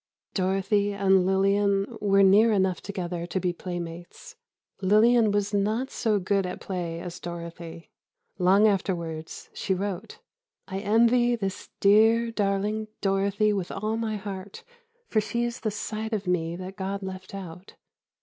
Dorothy and Lillian were near enough together to be playmates. Lillian was not so good at play as Dorothy. Long afterwards she wrote: "I envy this dear, darling Dorothy with all my heart, for she is the side of me that God left out....